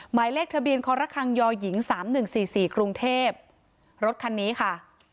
หมายเลขทะเบียนคอร์ระคังยอหญิงสามหนึ่งสี่สี่กรุงเทพรถคันนี้ค่ะ